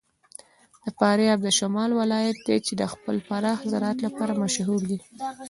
فاریاب د شمال ولایت دی چې د خپل پراخ زراعت لپاره مشهور دی.